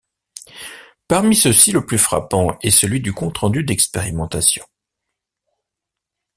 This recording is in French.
Parmi ceux-ci le plus frappant est celui du compte-rendu d'expérimentation.